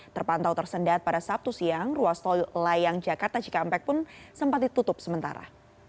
terpantau tersendat pada sabtu siang ruas tol layang jakarta cikampek pun sempat ditutup sementara